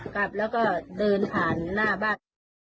กลับแล้วก็เดินผ่านหน้าบ้าน